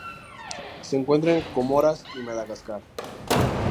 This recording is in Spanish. Se encuentra en Comoras y Madagascar.